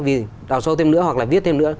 vì đào sâu thêm nữa hoặc là viết thêm nữa